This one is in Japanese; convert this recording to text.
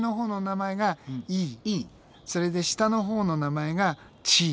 それで下のほうの名前がチー。